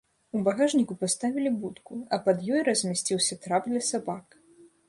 У багажніку паставілі будку, а пад ёй размясціўся трап для сабак.